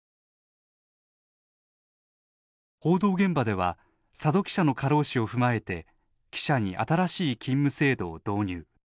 報道現場では佐戸記者の過労死を踏まえて記者に新しい勤務制度を導入。